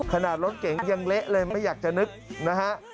รถเก๋งยังเละเลยไม่อยากจะนึกนะฮะ